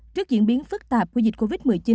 trước diễn biến phức tạp của dịch covid một mươi chín